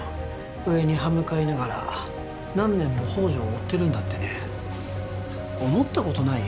上に刃向かいながら何年も宝条を追ってるんだってね思ったことない？